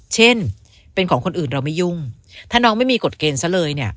เช่นเป็นของคนอื่นเราไม่ยุ่งถ้าน้องไม่มีกฎเกณฑ์ซะเลยเนี่ย